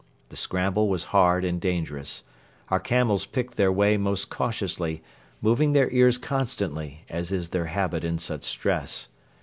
The scramble was hard and dangerous. Our camels picked their way most cautiously, moving their ears constantly, as is their habit in such stress.